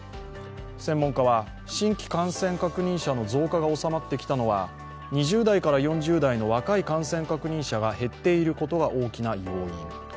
専門家は、新規感染確認者の増加が収まってきたのは２０代から４０代の若い感染確認者が減っていることが大きな要因。